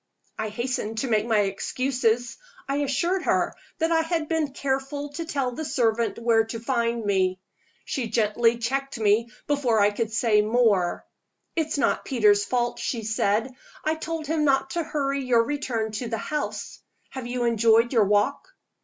I hastened to make my excuses. I assured her that I had been careful to tell the servant where to find me. She gently checked me before I could say more. "It's not Peter's fault," she said. "I told him not to hurry your return to the house. Have you enjoyed your walk?"